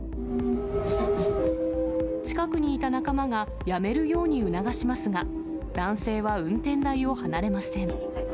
近くにいた仲間が、やめるように促しますが、男性は運転台を離れません。